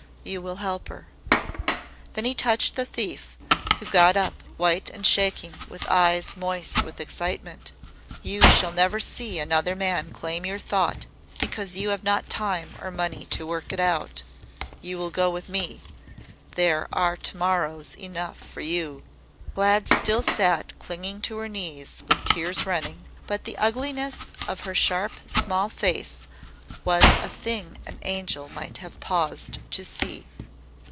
You will help her." Then he touched the thief, who got up white and shaking and with eyes moist with excitement. "You shall never see another man claim your thought because you have not time or money to work it out. You will go with me. There are to morrows enough for you!" Glad still sat clinging to her knees and with tears running, but the ugliness of her sharp, small face was a thing an angel might have paused to see.